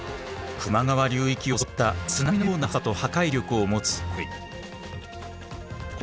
球磨川流域を襲った津波のような速さと破壊力を持つ洪水。